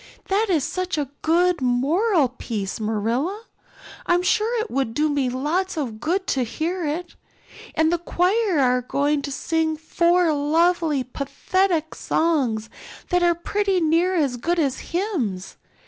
That is such a good moral piece, Marilla, I'm sure it would do me lots of good to hear it. And the choir are going to sing four lovely pathetic songs that are pretty near as good as hymns.